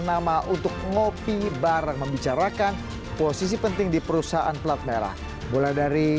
nama untuk ngopi bareng membicarakan posisi penting di perusahaan pelat merah mulai dari